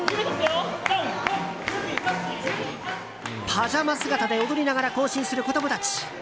パジャマ姿で踊りながら行進する子供たち。